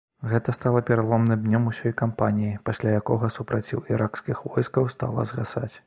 Гэта стала пераломным днём ўсёй кампаніі, пасля якога супраціў іракскіх войскаў стала згасаць.